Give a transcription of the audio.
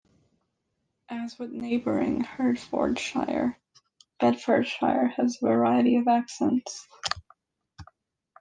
As with neighbouring Hertfordshire, Bedfordshire has a variety of accents.